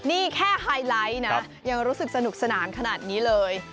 นี่แค่ไฮไลท์นะยังรู้สึกสนุกสนานขนาดนี้เลย